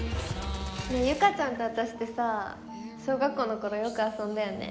結佳ちゃんとあたしってさ小学校の頃よく遊んだよね。